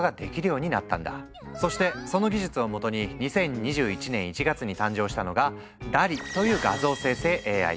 そしてその技術をもとに２０２１年１月に誕生したのがＤＡＬＬ・Ｅという画像生成ＡＩ。